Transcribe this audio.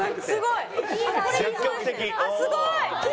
すごい！